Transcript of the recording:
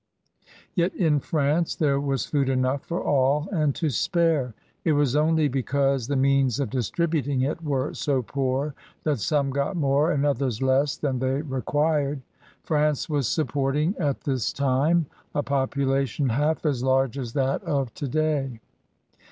Yet in France there was food enough for all and to spare; it was only because the means of distributing it were so poor that some got more and others less than they required. France was supporting at this time a population half as large as that of today.